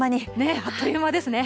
あっという間ですね。